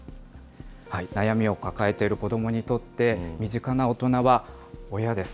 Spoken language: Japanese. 悩みを抱えている子どもにとって、身近な大人は親です。